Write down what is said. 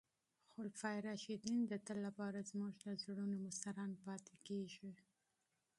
خلفای راشدین د تل لپاره زموږ د زړونو مشران پاتې کیږي.